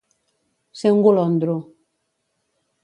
Ser un golondro.